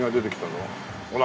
ほら。